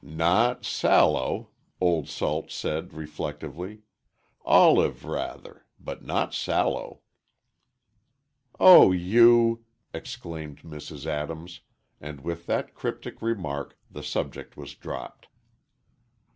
"Not sallow," Old Salt said, reflectively; "olive, rather—but not sallow." "Oh you!" exclaimed Mrs. Adams, and with that cryptic remark the subject was dropped.